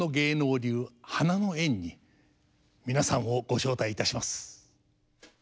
流花の宴に皆さんをご招待いたします。